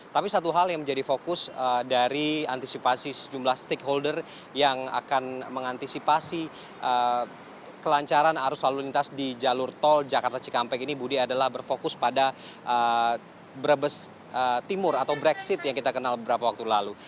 tapi satu hal yang menjadi fokus dari antisipasi sejumlah stakeholder yang akan mengantisipasi kelancaran arus lalu lintas di jalur tol jakarta cikampek ini budi adalah berfokus pada brebes timur atau brexit yang kita kenal beberapa waktu lalu